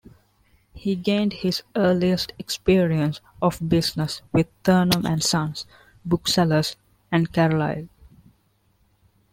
He gained his earliest experience of business with Thurnam and Sons, booksellers, at Carlisle.